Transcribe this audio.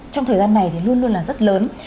trong thời gian này thì luôn luôn là rất lớn